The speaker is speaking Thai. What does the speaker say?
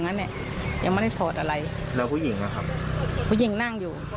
งั้นเนี้ยยังไม่ได้ถอดอะไรแล้วผู้หญิงนะครับผู้หญิงนั่งอยู่